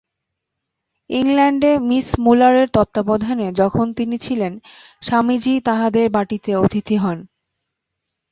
ইংলণ্ডে Miss মূলারের তত্ত্বাবধানে যখন তিনি ছিলেন, স্বামীজী তাঁহাদের বাটীতে অতিথি হন।